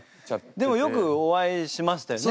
でもよくお会いしましたよね。